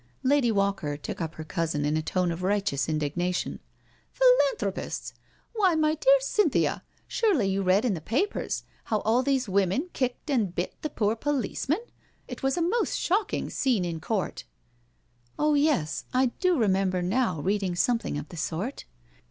Lady Walker took up her cousin in a tone of righteous indignation: " Philanthropists I Why, my dear Cynthia, surely you read in the papers how all those women kicked and bit the poor policemen? It was a most shocking scene in court.'* " Oh y^s, I do remember now reading something of the sort.